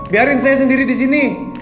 biarin saya sendiri di sini